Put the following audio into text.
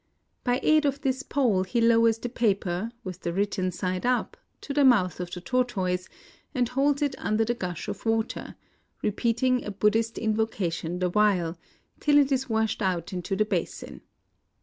By aid of this pole he lowers the paper, with the written side up, to the mouth of the tortoise, and holds it under the gush of water, — repeating a Buddhist invo cation the while, — till it is washed out into the basin.